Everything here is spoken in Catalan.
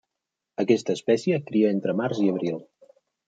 Aquesta espècie cria entre març i abril.